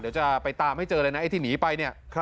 เดี๋ยวจะไปตามให้เจอเลยนะไอ้ที่หนีไปเนี่ย